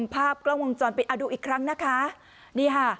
ภาพกล้องวงจรปิดอ่ะดูอีกครั้งนะคะนี่ค่ะ